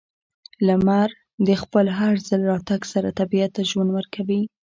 •لمر د خپل هر ځل راتګ سره طبیعت ته ژوند ورکوي.